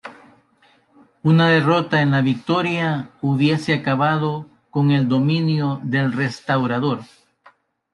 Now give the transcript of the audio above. Una derrota en La Victoria hubiese acabado con el dominio del Restaurador.